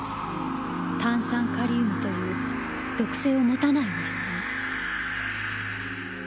炭酸カリウムという毒性を持たない物質に。